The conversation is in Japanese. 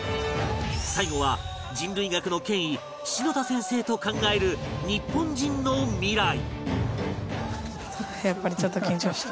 最後は人類学の権威篠田先生と考える日本人の未来